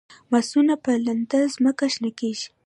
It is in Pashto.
ماسونه په لنده ځمکه شنه کیږي